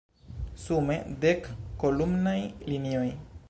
Sume, dek kolumnaj linioj.